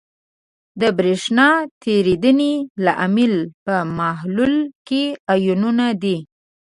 د برېښنا تیریدنې لامل په محلول کې آیونونه دي.